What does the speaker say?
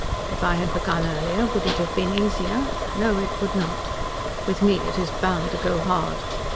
If I had begun earlier, would it have been easier? No, it would not. With me it is bound to go hard.